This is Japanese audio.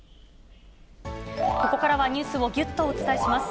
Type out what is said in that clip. ここからはニュースをぎゅっとお伝えします。